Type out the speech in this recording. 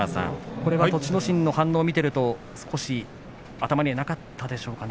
栃ノ心の反応を見ていると少し頭になかったでしょうか。